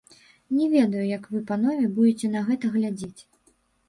Не ведаю, як вы, панове, будзеце на гэта глядзець.